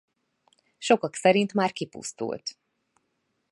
Sokak szerint már kipusztult.